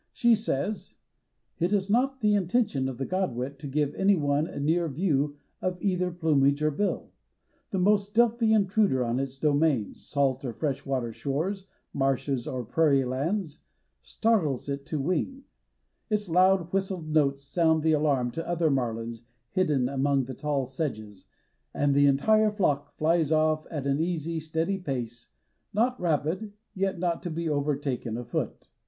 She says: "It is not the intention of the Godwit to give anyone a near view of either plumage or bill. The most stealthy intruder on its domains—salt or fresh water shores, marshes or prairie lands—startles it to wing; its loud, whistled notes sound the alarm to other marlins hidden among the tall sedges, and the entire flock flies off at an easy, steady pace, not rapid, yet not to be overtaken afoot.